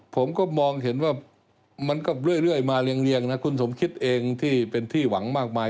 ผมก็มองเห็นว่ามันก็เรื่อยมาเรียงนะคุณสมคิดเองที่เป็นที่หวังมากมาย